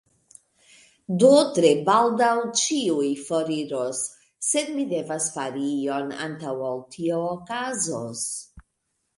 Do, tre baldaŭ ĉiuj foriros sed mi devas fari ion antaŭ ol tio okazos